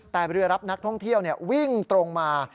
แต่เรือรับนักท่องเที่ยววิ่งตรงมา